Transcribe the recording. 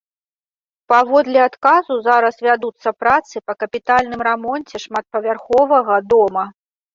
Паводле адказу зараз вядуцца працы па капітальным рамонце шматпавярховага дома.